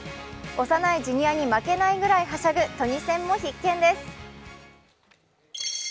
幼いジュニアに負けないぐらいはしゃぐトニセンも必見です。